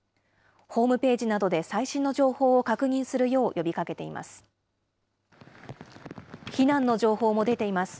ホームページなどで最新の情報を確認するよう呼びかけています。